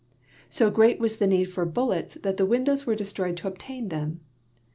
So great was the need for bullets that the windows were destroyed to obtain them.